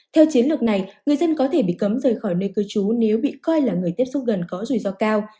theo chiến lược này người dân có thể bị cấm rời khỏi nơi cư trú nếu bị coi là người tiếp xúc gần có rủi ro cao